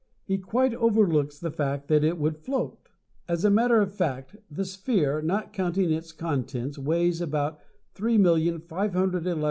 He quite overlooks the fact that it would float. As a matter of fact the sphere, not counting its contents, weighs about 3,511,520 lbs.